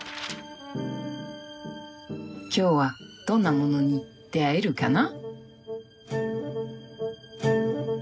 今日はどんなものに出会えるかな。